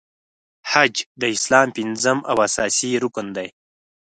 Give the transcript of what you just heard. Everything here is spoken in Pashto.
حج د اسلام پنځم او اساسې رکن دی .